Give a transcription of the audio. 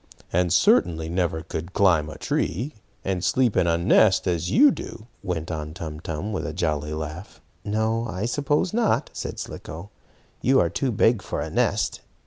And I certainly never could climb a tree, and sleep in a nest, as you do," went on Tum Tum, with a jolly laugh. "No, I suppose not," said Slicko. "You are too big for a nest.